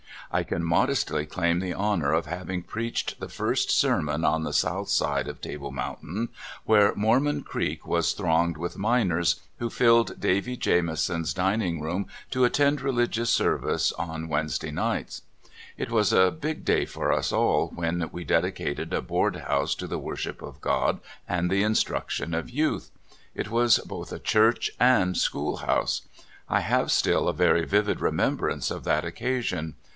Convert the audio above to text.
I can modestly claim the honor of having (23) ^4 CALIFORNIA SKETCHES. preached the first sermon on the south side of Table Mountain, where Mormon Creek was thronged with miners, who filled Davy Jamison's dining room to attend religious service on Wednes day nights. It was a big day for us all when we dedicated a board house to the worship of God and the instruction of youth. It was both a church and schoolhouse. I have still a very vivid remembrance of that occasion.